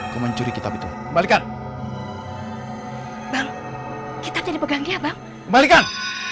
kau mencuri kitab itu kembalikan